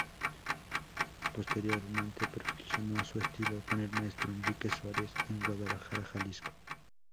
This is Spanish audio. Posteriormente perfeccionó su estilo con el maestro Enrique Suárez en Guadalajara Jalisco.